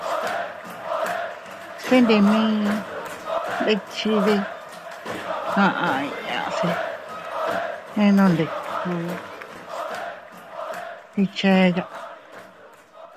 —Se ndii mii ndikchide— aʼa inñnaʼa—, se enondikuu echeya.